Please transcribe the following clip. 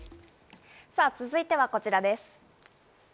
続いてはこちらです。